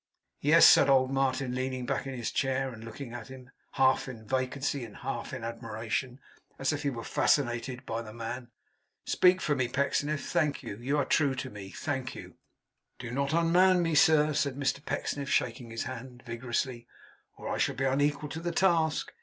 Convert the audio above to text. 'Yes,' said old Martin, leaning back in his chair, and looking at him, half in vacancy and half in admiration, as if he were fascinated by the man. 'Speak for me, Pecksniff, Thank you. You are true to me. Thank you!' 'Do not unman me, sir,' said Mr Pecksniff, shaking his hand vigorously, 'or I shall be unequal to the task.